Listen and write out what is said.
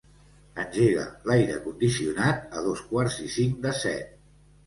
Engega l'aire condicionat a dos quarts i cinc de set.